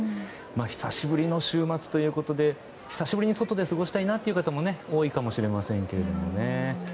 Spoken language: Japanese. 久しぶりの週末ということで久しぶりに外で過ごしたいという方も多いかもしれませんけどね。